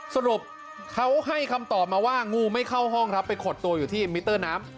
สรุปเขาให้คำตอบมาว่างูไม่เข้าห้องครับไปขดตัวอยู่ที่มิเตอร์น้ำ